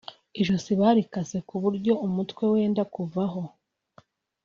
ijosi barikase ku buryo umutwe wenda kuvaho